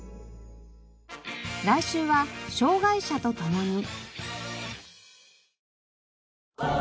来週は障がい者とともに。